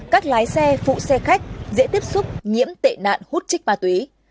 các lái xe phụ xe khách dễ tiếp xúc nhiễm tệ nạn hút trích ma túy